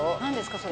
それ。